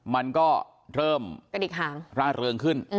มันก็เริ่มร่าเริงขึ้น